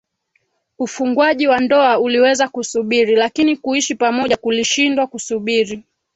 Ufungwaji wa ndoa uliweza kusubiri lakini kuishi pamoja kulishindwa kusubiri